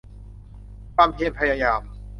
ความเพียรพยายาม